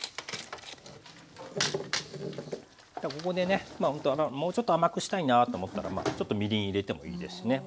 ここでねもうちょっと甘くしたいなと思ったらちょっとみりん入れてもいいですしね。